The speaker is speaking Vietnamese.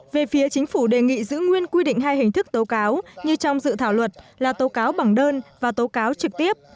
về phía chính phủ đề nghị giữ nguyên quy định hai hình thức tố cáo như trong dự thảo luật là tố cáo bằng đơn và tố cáo trực tiếp